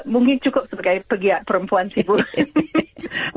mungkin cukup sebagai pegiat perempuan sih bu